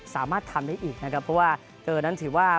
สามารถทำได้อีกนะครับเพราะว่าเธอนั้นถือว่า